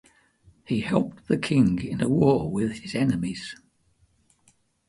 He helped the king in a war with his enemies.